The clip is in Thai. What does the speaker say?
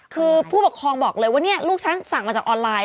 คือผู้ปกครองบอกเลยว่าเนี่ยลูกฉันสั่งมาจากออนไลน์